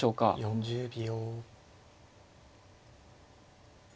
４０秒。